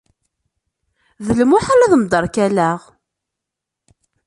D lmuḥal ad mderkaleɣ!